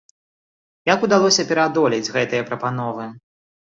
Як удалося пераадолець гэтыя прапановы?